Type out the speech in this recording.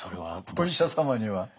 お医者様には。